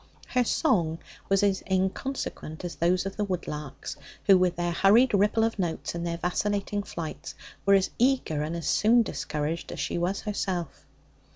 Her song was as inconsequent as those of the woodlarks, who, with their hurried ripple of notes and their vacillating flights, were as eager and as soon discouraged as she was herself.